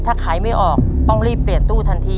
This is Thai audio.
ถ้าขายไม่ออกต้องรีบเปลี่ยนตู้ทันที